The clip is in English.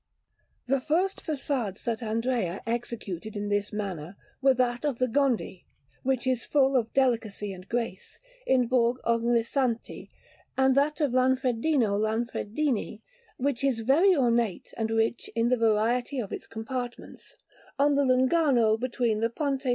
The first façades that Andrea executed in this manner were that of the Gondi, which is full of delicacy and grace, in Borg' Ognissanti, and that of Lanfredino Lanfredini, which is very ornate and rich in the variety of its compartments, on the Lungarno between the Ponte S.